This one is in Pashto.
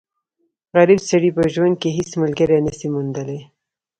غریب سړی په ژوند کښي هيڅ ملګری نه سي موندلای.